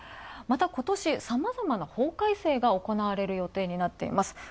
また今年、さまざまな法改正が行われる予定になっています。